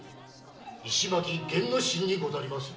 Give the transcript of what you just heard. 石巻弦之進にござりまする。